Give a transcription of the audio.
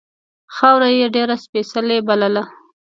خاوره یې ډېره سپېڅلې بلله.